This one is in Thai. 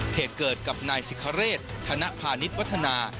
เหตุเกิดกับนายสิคเรศธนพาณิชย์วัฒนา